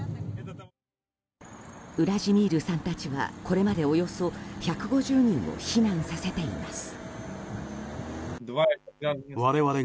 ウラジミールさんたちはこれまでおよそ１５０人を避難させています。